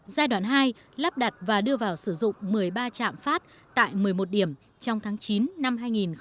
giai đoạn hai lắp đặt và đưa vào sử dụng một mươi ba chạm phát tại một mươi một điểm trong tháng chín năm hai nghìn một mươi sáu